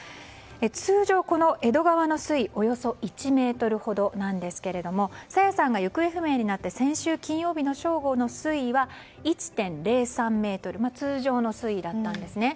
通常、この江戸川の水位およそ１ｍほどなんですけれども朝芽さんが行方不明になった先週金曜日の正午の水位は１．０３ｍと通常の水位だったんですね。